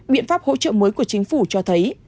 biện pháp hỗ trợ mới của chính phủ cho thấy